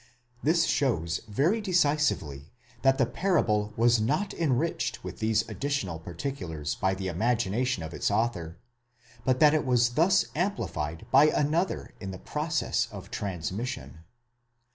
*4 This shows very decisively that the parable was not enriched with these additional particulars by the imagination of its author, but that it was thus amplified by another in the process of transmission.